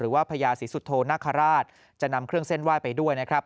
หรือว่าพญาศิษฐรทณะจะนำเครื่องเซ่นไหว้ไปด้วยนะครับ